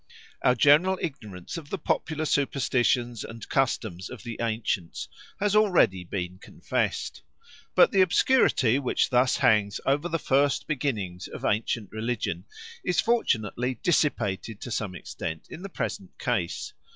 Our general ignorance of the popular superstitions and customs of the ancients has already been confessed. But the obscurity which thus hangs over the first beginnings of ancient religion is fortunately dissipated to some extent in the present case.